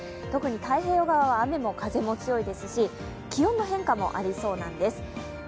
特に太平洋側は雨も風も強いですし気温の変化もありそうなんです。